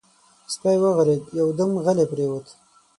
سپی وغرېد، يودم غلی پرېووت.